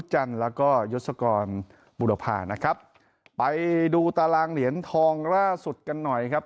จันทร์แล้วก็ยศกรบุรพานะครับไปดูตารางเหรียญทองล่าสุดกันหน่อยครับ